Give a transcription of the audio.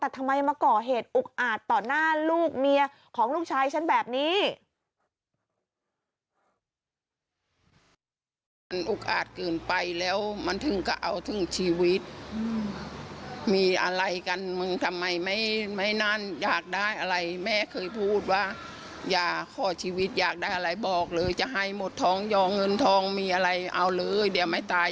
แต่ทำไมมาก่อเหตุอุกอาจต่อหน้าลูกเมียของลูกชายฉันแบบนี้